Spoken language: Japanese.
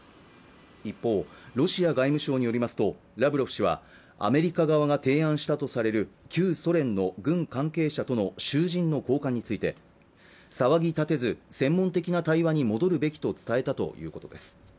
一方ロシア外務省によりますとラブロフ氏はアメリカ側が提案したとされる旧ソ連の軍関係者との囚人の交換について騒ぎ立てず専門的な対話に戻るべきと伝えたということです